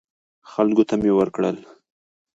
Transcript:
خلکو ته مې ورکړل.